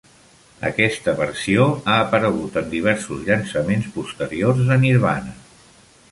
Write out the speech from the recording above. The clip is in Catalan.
Aquesta versió ha aparegut en diversos llançaments posteriors de Nirvana.